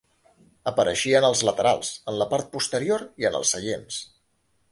Apareixia en els laterals, en la part posterior i en els seients.